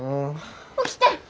起きて。